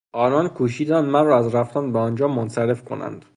آنان کوشیدند مرا از رفتن به آنجا منصرف کنند.